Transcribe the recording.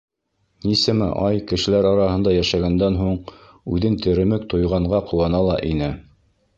Нисәмә ай кешеләр араһында йәшәгәндән һуң үҙен теремек тойғанға ҡыуана ла ине.